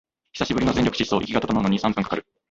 久しぶりの全力疾走、息が整うのに三分かかる